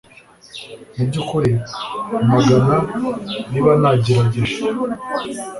mubyukuri, amagana niba nagerageje